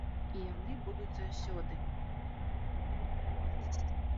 І яны будуць заўсёды.